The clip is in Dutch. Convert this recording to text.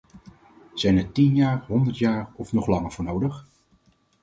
Zijn er tien jaar, honderd jaar of nog langer voor nodig?